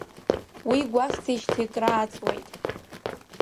Уи гәасҭеижьҭеи крааҵуеит.